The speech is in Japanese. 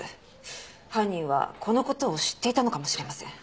犯人はこの事を知っていたのかもしれません。